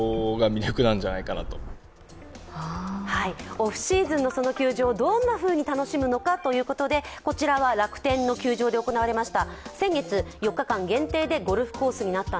オフシーズンの球場をどんなふうに楽しむのかということでこちらは楽天の球場で行われました。